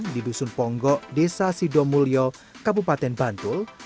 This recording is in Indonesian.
di dusun ponggok desa sidomulyo kabupaten bantul